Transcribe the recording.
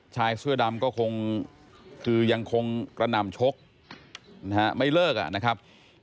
ชายเสื้อดำก็คงกระนำชกไม่เลิกนะครับ